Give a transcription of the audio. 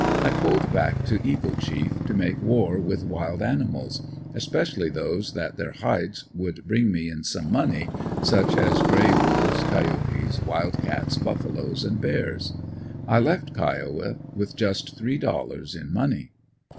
I pulled back to Eagle Chief, to make war with wild animals especially those that their hides would bring me in some money, such as gray wolves, coyotes, wild cats, buffaloes and bears. I left Kiowa with just three dollars in money.